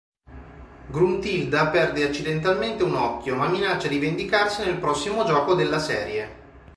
Gruntilda perde accidentalmente un occhio ma minaccia di vendicarsi nel prossimo gioco della serie.